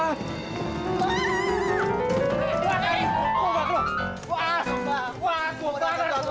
bang invest nih invest gua buat lu bang